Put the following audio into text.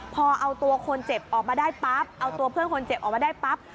พอเอาตัวคนเจ็บออกมาได้ปั๊บเอาตัวเพื่อนคนเจ็บออกมาได้ปั๊บ